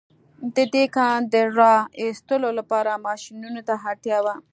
د دې کان د را ايستلو لپاره ماشينونو ته اړتيا وه.